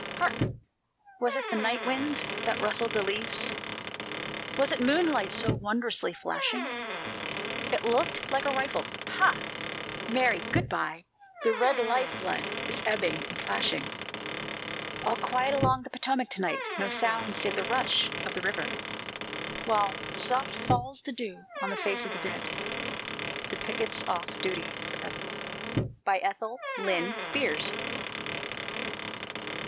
Hark! was it the night wind that rustled the leaves? Was it moonlight so wondrously flashing? It looked like a rifle ... "Ha! Mary, good by!" The red life blood is ebbing and plashing. All quiet along the Potomac to night No sound save the rush of the river, While soft falls the dew on the face of the dead The picket's off duty forever! ETHEL LYNN BEERS.